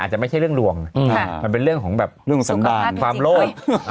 อาจจะไม่ใช่เรื่องดวงมันเป็นเรื่องของแบบความโลศ